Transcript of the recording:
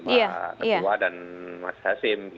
pak ketua dan mas hasim